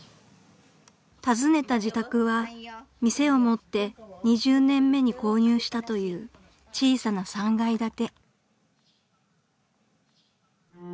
［訪ねた自宅は店を持って２０年目に購入したという小さな３階建て］